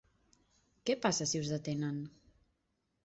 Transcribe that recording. Què passa si us detenen?